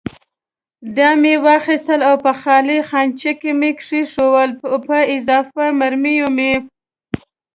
دا مې واخیستل او په خالي خانچه کې مې کېښوول، په اضافي مرمیو مې.